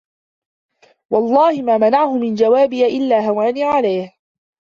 وَاَللَّهِ مَا مَنَعَهُ مِنْ جَوَابِي إلَّا هَوَانِي عَلَيْهِ